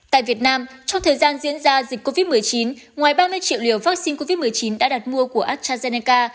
tại việt nam trong thời gian diễn ra dịch covid một mươi chín ngoài ba mươi triệu liều vaccine covid một mươi chín đã đặt mua của astrazeneca